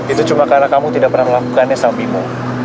itu cuma karena kamu tidak pernah melakukannya sambil mau